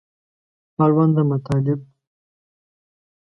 اړونده مطالب